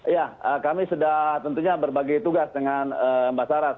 ya kami sudah tentunya berbagi tugas dengan mbak saras